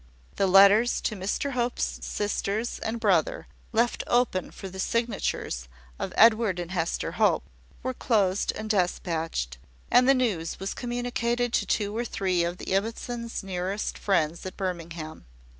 The letters to Mr Hope's sisters and brother, left open for the signatures of Edward and Hester Hope, were closed and despatched; and the news was communicated to two or three of the Ibbotsons' nearest friends at Birmingham.